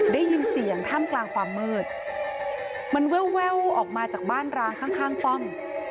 ได้ยินเสียงถ้ำกลางความมืดมันแววออกมาจากบ้านร้างข้างป้อม